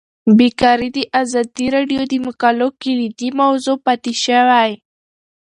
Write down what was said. بیکاري د ازادي راډیو د مقالو کلیدي موضوع پاتې شوی.